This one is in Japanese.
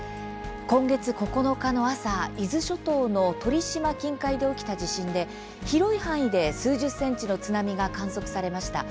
今月９日の朝、伊豆諸島の鳥島近海で起きた地震で広い範囲で数十ｃｍの津波が観測されました。